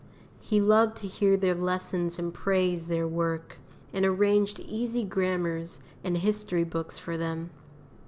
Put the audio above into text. He loved to hear their lessons and praise their work, and arranged easy grammars and history books for them.